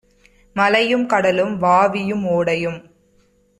மலையும், கடலும், வாவியும், ஓடையும்